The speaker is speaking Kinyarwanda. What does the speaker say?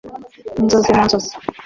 Inzozi Mu Nzozi